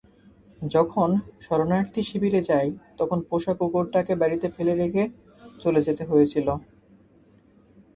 যখন শরণার্থীশিবিরে যাই, তখন পোষা কুকুরটাকে বাড়িতে ফেলে রেখে চলে যেতে হয়েছিল।